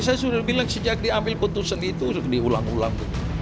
saya sudah bilang sejak diambil putusan itu diulang ulang